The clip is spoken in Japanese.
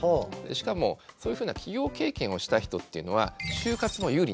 しかもそういうふうな起業経験をした人っていうのはふん。